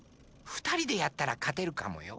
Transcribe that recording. ふたりでやったらかてるかもよ。